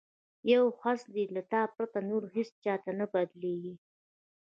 یو حس دی له تا پرته، نور هیڅ چاته نه بدلیږي